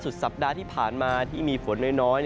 สัปดาห์ที่ผ่านมาที่มีฝนน้อย